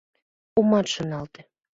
— Омат шоналте!..